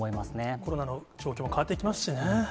コロナの状況も変わっていきますしね。